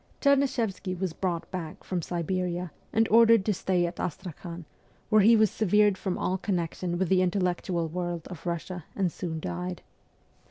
Chernyshevsky was brought back from Siberia, and ordered to stay at Astrakhan, where he was severed from all connection with the intellectual world of Russia, and soon died.